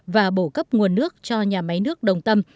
và bổ cấp nguồn nước cho nhà máy nước đồng tâm